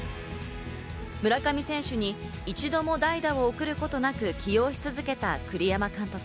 村上選手に１度も代打を送ることなく起用し続けた栗山監督。